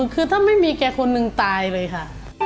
คือถ้าไม่มีแกคนหนึ่งตายเลยค่ะ